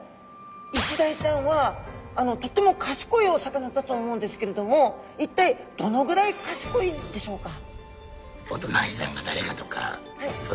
イシダイちゃんはとっても賢いお魚だと思うんですけれども一体どのぐらい賢いんでしょうか？